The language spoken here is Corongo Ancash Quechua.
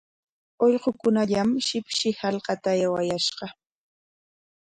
Ullqukunallam shipshi hallqapa aywayashqa.